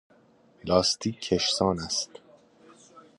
لاستیک کشسان است.